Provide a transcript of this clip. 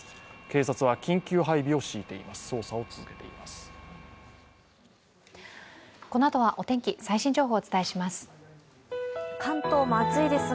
警察は緊急配備を敷いています。